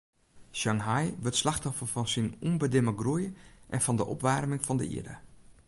Shanghai wurdt slachtoffer fan syn ûnbedimme groei en fan de opwaarming fan de ierde.